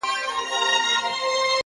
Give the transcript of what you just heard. د هدف وضاحت ژوند منظموي,